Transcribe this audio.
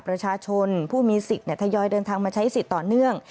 ประชาชนผู้มีสิทธิ์ทยอยเดินทางมาใช้สิทธิ์ต่อเนื่อง